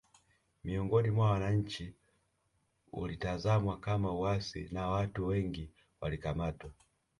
Miongoni mwa wananchi ulitazamwa kama uasi na watu wengi walikamatwa